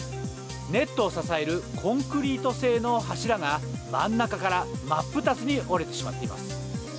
ネットを支えるコンクリート製の柱が真ん中から真っ二つに折れてしまっています。